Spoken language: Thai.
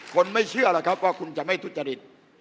คนไม่เชื่อหรอกครับว่าคุณจะไม่ทุจริต